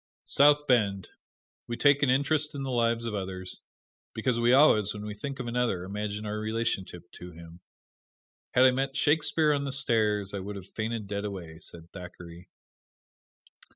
South Bend: We take an interest in the lives of others because we always, when we think of another, imagine our relationship to him. "Had I met Shakespeare on the stairs I would have fainted dead away," said Thackeray.